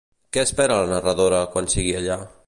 Què espera la narradora quan sigui allà?